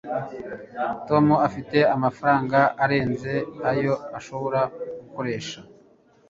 tom afite amafaranga arenze ayo ashobora gukoresha